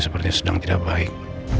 sepertinya sedang tidak baik